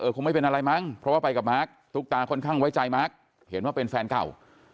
คงไม่เป็นอะไรมั้งเพราะว่าไปกับมาร์คตุ๊กตาค่อนข้างไว้ใจมาร์คเห็นว่าเป็นแฟนเก่า